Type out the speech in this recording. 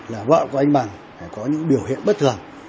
là vợ của anh bằng có những biểu hiện bất thường